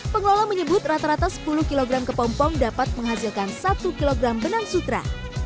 pengelola menyebut rata rata sepuluh kg kepompong dapat menghasilkan satu kg benang sutra